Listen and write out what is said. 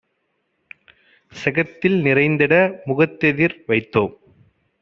செகத்தில் நிறைந்திட முகத்தெதிர் வைத்தோம்.